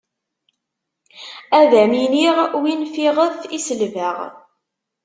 Ad m-iniɣ win fiɣef i selbeɣ.